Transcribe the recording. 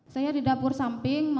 saya di dapur samping